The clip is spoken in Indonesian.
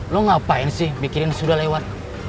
lo ngapain sih mikirin sudah lewat